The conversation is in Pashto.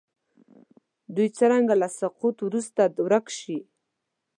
دوی څرنګه له سقوط وروسته ورک شي.